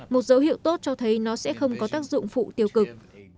một dấu hiệu tốt cho thấy nó sẽ không có tác dụng phụ tiêu cực